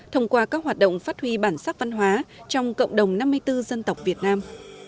thông qua các hoạt động phát huy bản sắc văn hóa trong cộng đồng năm mươi bốn dân tộc việt nam